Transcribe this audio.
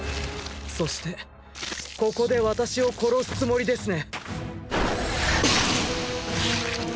そしてここで私を殺すつもりですね！